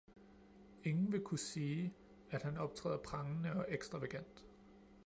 Ingen vil kunne sige, at han optræder prangende og ekstravagant.